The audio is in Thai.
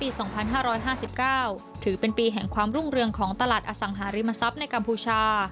๒๕๕๙ถือเป็นปีแห่งความรุ่งเรืองของตลาดอสังหาริมทรัพย์ในกัมพูชา